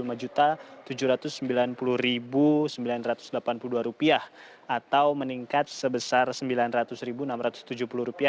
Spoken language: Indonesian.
atau meningkat sebesar rp sembilan ratus enam ratus tujuh puluh